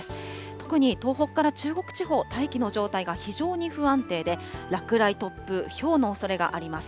特に東北から中国地方、大気の状態が非常に不安定で、落雷、突風、ひょうのおそれがあります。